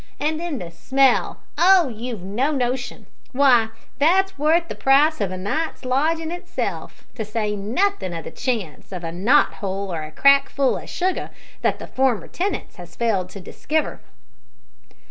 An' then the smell! Oh! you've no notion! W'y, that's wuth the price of a night's lodgin' itself, to say nothin' o' the chance of a knot hole or a crack full o' sugar, that the former tenants has failed to diskiver."